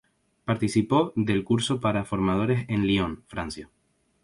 Participó del curso para formadores en Lyon, Francia.